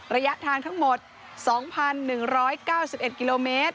ระยะทางทั้งหมด๒๑๙๑กิโลเมตร